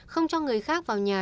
không cho người khác vào nhà